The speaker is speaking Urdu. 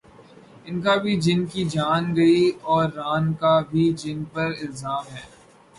ان کا بھی جن کی جان گئی اوران کا بھی جن پر الزام ہے۔